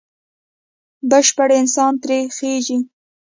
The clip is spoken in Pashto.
بشپړ انسان ترې خېژي.